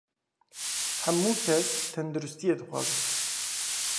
Hemû kes tenduristiyê dixwazin.